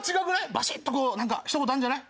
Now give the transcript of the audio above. バシっとこうなんかひと言あるんじゃない？